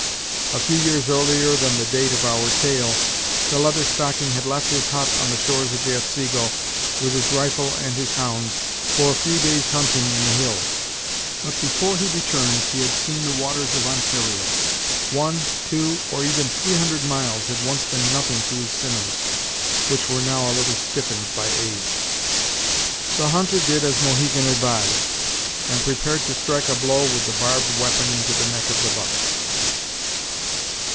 A few years earlier than the date of our tale, the Leather Stocking had left his hut on the shores of the Otsego, with his rifle and his hounds, for a few days' hunting in the hills; but before he returned he had seen the waters of Ontario. One, two, or even three hundred miles had once been nothing to his sinews, which were now a little stiffened by age. The hunter did as Mohegan advised, and prepared to strike a blow with the barbed weapon into the neck of the buck.